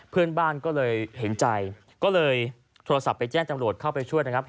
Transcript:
เพื่อนบ้านก็เลยเห็นใจก็เลยโทรศัพท์ไปแจ้งจำรวจเข้าไปช่วยนะครับ